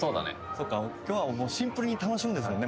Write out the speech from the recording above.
そうか今日はもうシンプルに楽しむんですもんね